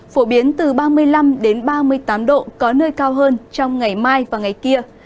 phổ biến từ ba mươi năm ba mươi tám độ có nơi cao hơn trong ngày mai và ngày kia